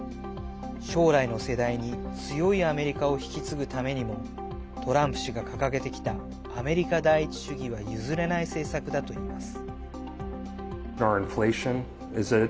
将来の世代に強いアメリカを引き継ぐためにもトランプ氏が掲げてきたアメリカ第一主義は譲れない政策だといいます。